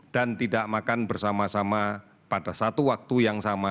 dan tidak makan bersama sama pada satu waktu yang sama